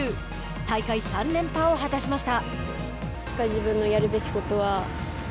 大会３連覇を果たしました。